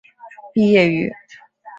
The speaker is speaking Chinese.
毕业于。